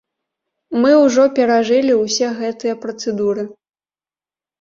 Мы ўжо перажылі ўсе гэтыя працэдуры.